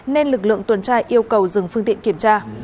nên lực lượng tuần tra yêu cầu dừng phương tiện kiểm tra